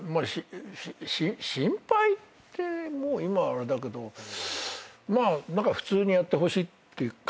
心配ってもう今はあれだけどまあ普通にやってほしいって感じかしら。